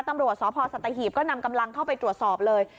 ตำรวจสพสัตหีบก็นำกำลังเข้าไปตรวจสอบเลย